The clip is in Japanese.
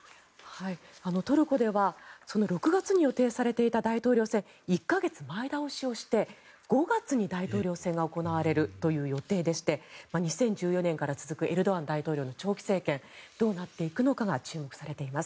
トルコでは６月に予定されていた大統領選１か月前倒しして５月に大統領選が行われるという予定でして２０１４年から続くエルドアン大統領の長期政権どうなっていくのかが注目されています。